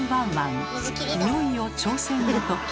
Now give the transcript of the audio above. いよいよ挑戦の時。